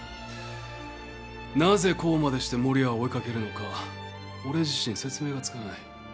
なぜこうまでして守谷を追い掛けるのか俺自身説明がつかない。